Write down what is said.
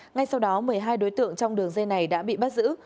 ngay sau đó một mươi hai đối tượng trong đường dây này đã bị bắt giữ